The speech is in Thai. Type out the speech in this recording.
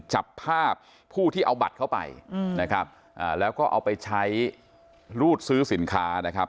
จับภาพผู้ที่เอาบัตรเข้าไปแล้วก็เอาไปใช้รูดซื้อสินค้า